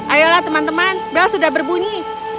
ayolah teman teman bilang sudah berbunyi